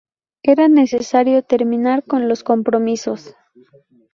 Era necesario terminar con los compromisos.